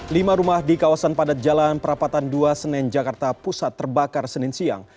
lima rumah di kawasan padat jalan perapatan dua senen jakarta pusat terbakar senin siang